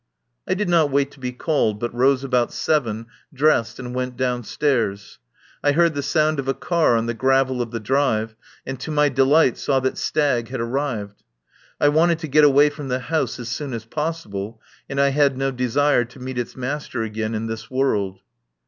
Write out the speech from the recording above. I did not wait to be called, but rose about seven, dressed, and went downstairs. I heard the sound of a car on the gravel of the drive, and to my delight saw that Stagg had arrived. I wanted to get away from the house as soon as possible, and I had no desire to meet its master again in this world.